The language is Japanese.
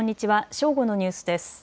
正午のニュースです。